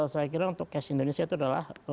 saya kira untuk cash indonesia itu adalah